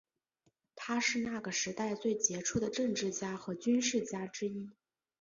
他是那个时代最杰出的政治家和军事家之一。